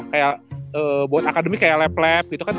kayak buat akademi kayak lab lab gitu kan